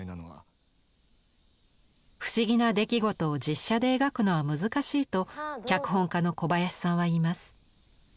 不思議な出来事を実写で描くのは難しいと脚本家の小林さんは言います。